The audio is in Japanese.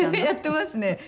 やってますね。